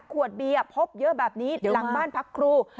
ขวดเบียร์พบเยอะแบบนี้หลังบ้านพักครู